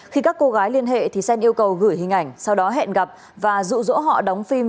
khi các cô gái liên hệ thì sen yêu cầu gửi hình ảnh sau đó hẹn gặp và rụ rỗ họ đóng phim